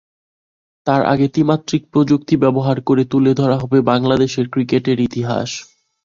তার আগে ত্রিমাত্রিক প্রযুক্তি ব্যবহার করে তুলে ধরা হবে বাংলাদেশের ক্রিকেটের ইতিহাস।